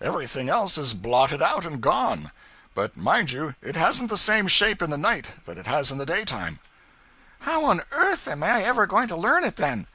Everything else is blotted out and gone. But mind you, it hasn't the same shape in the night that it has in the day time.' 'How on earth am I ever going to learn it, then?'